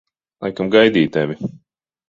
Laikam gaidīju tevi.